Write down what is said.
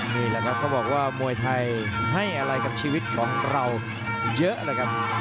นี่แหละครับเขาบอกว่ามวยไทยให้อะไรกับชีวิตของเราเยอะเลยครับ